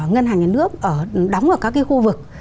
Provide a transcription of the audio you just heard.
ngân hàng nhà nước đóng ở các cái khu vực